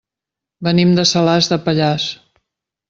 Venim de Salàs de Pallars.